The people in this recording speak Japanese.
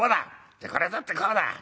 「じゃあこれを取ってこうだ」。